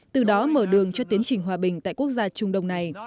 từ đó mở đường cho tiến trình hòa bình tại quốc gia trung đông này